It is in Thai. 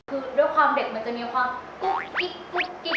คือด้วยความเด็กมันจะมีความกุ๊กกิ๊ก